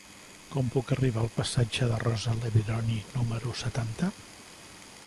Com puc arribar al passatge de Rosa Leveroni número setanta?